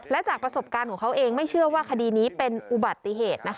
และจากประสบการณ์ของเขาเองไม่เชื่อว่าคดีนี้เป็นอุบัติเหตุ